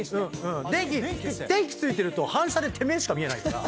電気ついてると反射でてめえしか見えないから。